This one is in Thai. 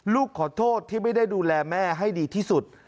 ลูกขอโทษที่ไม่ได้ดูแลแม่ให้ดีที่สุด